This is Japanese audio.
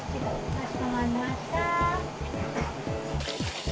かしこまりました。